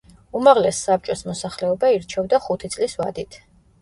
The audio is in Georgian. უმაღლეს საბჭოს მოსახლეობა ირჩევდა ხუთი წლის ვადით.